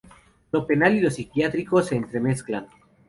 Lo penal y lo psiquiátrico se entremezclan.